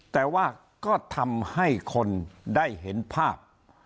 แต่ว่าก็ทำให้คนได้เห็นภาพ